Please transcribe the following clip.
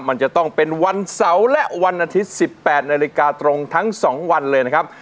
มันจะต้องเป็นวันเสาร์และวันอาทิตย์๑๘นาฬิกาตรงทั้ง๒วันเลยนะครับ